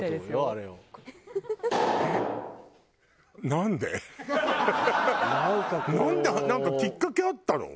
なんかきっかけあったの？